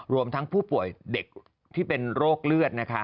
รวมทั้งผู้ป่วยเด็กที่เป็นโรคเลือดนะคะ